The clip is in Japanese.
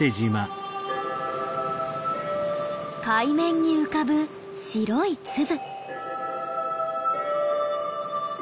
海面に浮かぶ白い粒。